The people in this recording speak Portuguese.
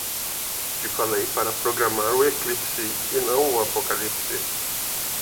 Te falei para programar o eclipse e não o apocalipse